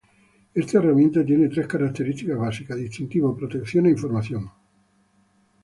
Esta herramienta tiene tres características básicas: distintivo, protección e información.